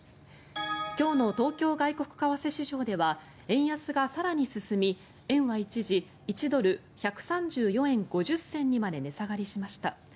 今日の東京外国為替市場では円安が更に進み円は一時１ドル＝１３４円５０銭まで値下がりしました。